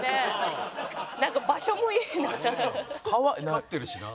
光ってるしな。